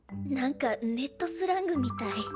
何かネットスラングみたい。